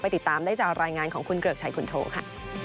ติดตามได้จากรายงานของคุณเกริกชัยคุณโทค่ะ